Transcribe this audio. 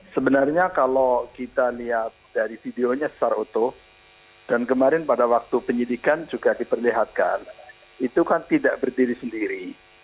sebenarnya kalau kita lihat dari videonya secara utuh dan kemarin pada waktu penyidikan juga diperlihatkan itu kan tidak berdiri sendiri